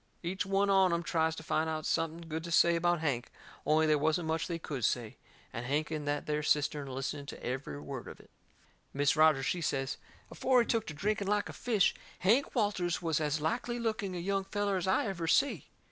Each one on em tries to find out something good to say about Hank, only they wasn't much they could say. And Hank in that there cistern a listening to every word of it. Mis' Rogers, she says: "Afore he took to drinking like a fish, Hank Walters was as likely looking a young feller as I ever see."